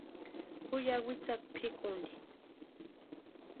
Ju ya witsakwa pʼikuni.